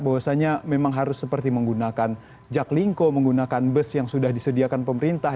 bahwasanya memang harus seperti menggunakan jak lingko menggunakan bus yang sudah disediakan pemerintah